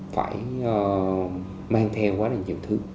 phải mang theo quá là nhiều thứ